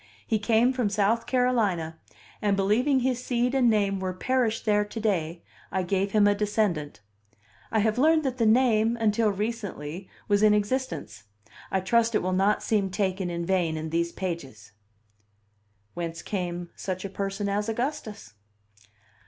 He came from South Carolina; and believing his seed and name were perished there to day, I gave him a descendant. I have learned that the name, until recently, was in existence; I trust it will not seem taken in vain in these pages. Whence came such a person as Augustus?